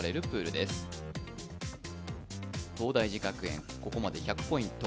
東大寺学園、ここまで１００ポイント